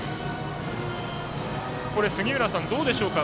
これ杉浦さん、どうでしょうか。